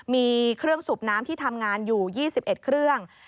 มีเครื่องสูบน้ำที่ทำงานอยู่๒๑เครื่อง